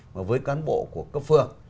mà với cán bộ của cấp phường